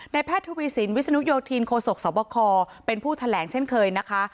ในแพทย์ธุปริศิลป์วิศนุโยธีนโคศกสวบคอเป็นผู้แถลงเช่นเคยนะคะ